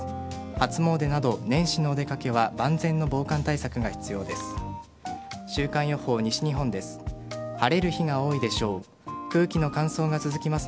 初詣など、年始のお出掛けは万全の防寒対策が必要です。